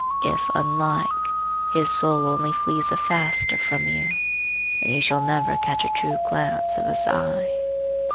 If unlike, his soul only flees the faster from you, and you shall never catch a true glance of his eye.